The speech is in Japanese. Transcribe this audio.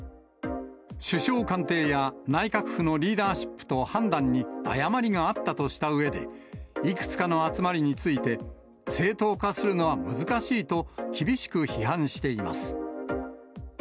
首相官邸や、内閣府のリーダーシップと判断に誤りがあったとしたうえで、いくつかの集まりについて、正当化するのは難しいと、厳しく批判しています。